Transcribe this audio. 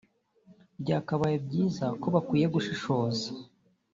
Byakabaye byiza ko bakwiye gushishoza